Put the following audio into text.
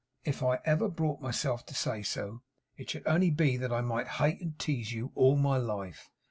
'If I ever brought myself to say so, it should only be that I might hate and tease you all my life.